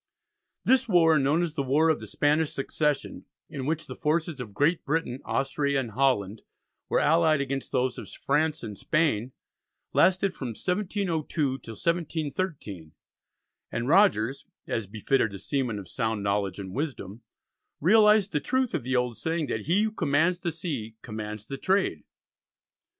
This war, known as the War of the Spanish Succession, in which the forces of Great Britain, Austria, and Holland were allied against those of France and Spain, lasted from 1702 till 1713, and Rogers, as befitted a seaman of sound knowledge and wisdom, realised the truth of the old saying that he who commands the sea commands the trade.